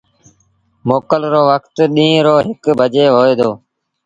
موڪل رو وکت ڏيٚݩهݩ رو هڪ بجي هوئي دو۔